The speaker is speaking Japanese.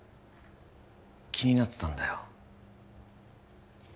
気になってたんだよ